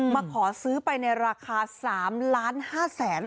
มาขอซื้อไปในราคา๓ล้าน๕แสน